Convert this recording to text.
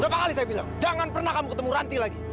dua kali saya bilang jangan pernah kamu ketemu ranti lagi